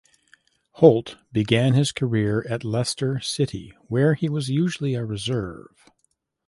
Hoult began his career at Leicester City, where he was usually a reserve.